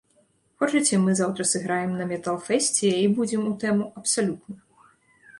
Хочаце, мы заўтра сыграем на метал-фэсце і будзем у тэму абсалютна?